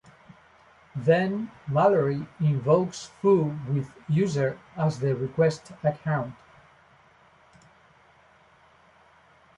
Then, Mallory invokes foo with "user" as the requested account.